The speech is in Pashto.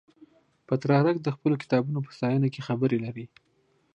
پترارک د خپلو کتابونو په ستاینه کې خبرې لري.